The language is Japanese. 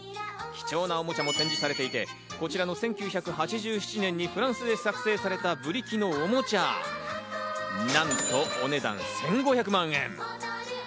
貴重なおもちゃも展示されていて、こちらの１９８７年にフランスで作成されたブリキのおもちゃ、なんとお値段１５００万円！